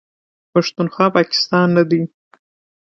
پښتونخوا، پاکستان نه دی.